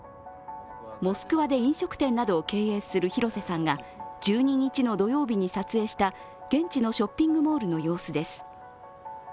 モスクワで飲食店などを経営する廣瀬さんが１２日の土曜日に撮影した現地のショッピングモールの様子です。